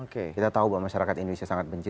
kita tahu bahwa masyarakat indonesia sangat benci